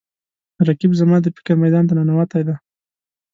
رقیب زما د فکر میدان ته ننوتی دی